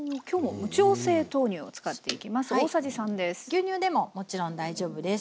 牛乳でももちろん大丈夫です。